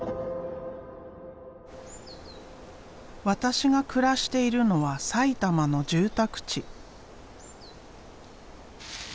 私が暮らしているのは埼玉の住宅地。